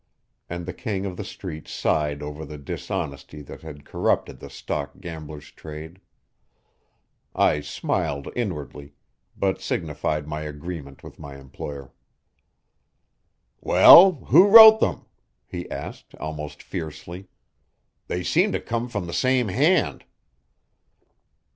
And the King of the Street sighed over the dishonesty that had corrupted the stock gamblers' trade. I smiled inwardly, but signified my agreement with my employer. "Well, who wrote them?" he asked almost fiercely. "They seem to come from the same hand."